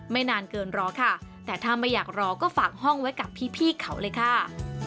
นานเกินรอค่ะแต่ถ้าไม่อยากรอก็ฝากห้องไว้กับพี่เขาเลยค่ะ